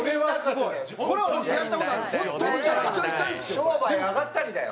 商売上がったりだよ。